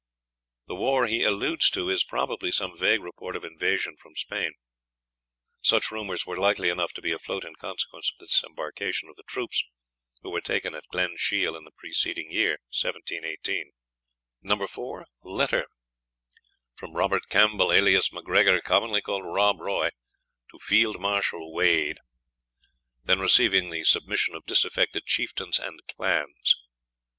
The war he alludes to is probably some vague report of invasion from Spain. Such rumours were likely enough to be afloat, in consequence of the disembarkation of the troops who were taken at Glensheal in the preceding year, 1718. No. IV. LETTER FROM ROBERT CAMPBELL, alias M'GREGOR, COMMONLY CALLED ROB ROY, TO FIELD MARSHAL WADE, Then receiving the submission of disaffected Chieftains and Clans.